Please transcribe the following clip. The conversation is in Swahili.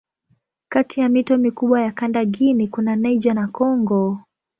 Kati ya mito mikubwa ya kanda Guinea kuna Niger na Kongo.